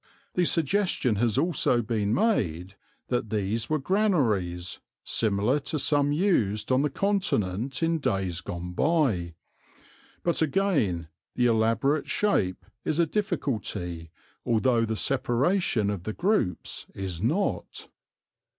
The suggestion has also been made that these were granaries, similar to some used on the Continent in days gone by; but again the elaborate shape is a difficulty although the separation of the groups is not.